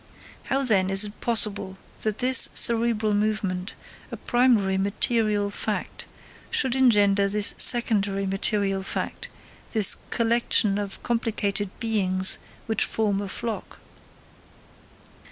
How, then, is it possible that this cerebral movement, a primary material fact, should engender this secondary material fact, this collection of complicated beings which form a flock?